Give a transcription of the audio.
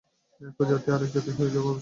এক জাতি থেকে আর এক জাতি হয়ে যাওয়াও স্বাভাবিক।